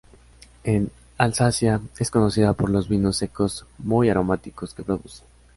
En Alsacia, es conocida por los vinos secos muy aromáticos que produce.